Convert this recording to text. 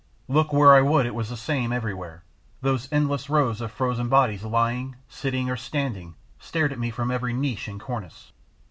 Look where I would it was the same everywhere. Those endless rows of frozen bodies lying, sitting, or standing stared at me from every niche and cornice.